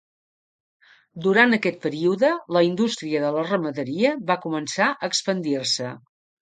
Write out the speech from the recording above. Durant aquest període, la indústria de la ramaderia va començar a expandir-se.